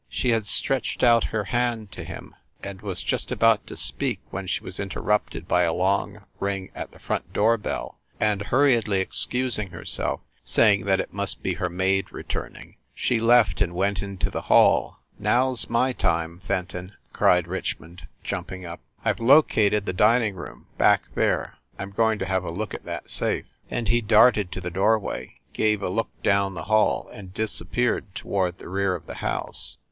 She had stretched out her hand to him, and was just about to speak when she was interrupted by a long ring at the front door bell, and hurriedly ex cusing herself, saying that it must be her maid re turning, she left and went into the hall. "Now s my time, Fenton!" cried Richmond, THE BREWSTER MANSION 317 jumping up. "I ve located the dining room, back there. I m going to have a look at that safe !" And he darted to the doorway, gave a look down the hall, and disappeared toward the rear of the house.